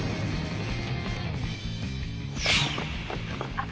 あっ